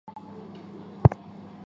你要怎么知道